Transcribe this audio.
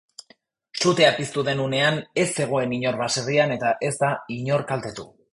Sutea piztu den unean ez zegoen inor baserrian eta ez da inor kaltetu.